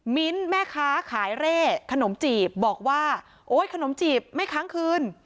มิ้นท์แม่ค้าขายเร่ขนมจีบบอกว่าโอ๊ยขนมจีบไม่ค้างคืน